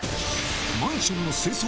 マンションの清掃